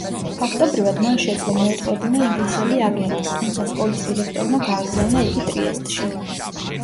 ფაქტობრივად მან შეძლო მოეტყუებინა ინგლისელი აგენტი, თუმცა სკოლის დირექტორმა გააგზავნა იგი ტრიესტში.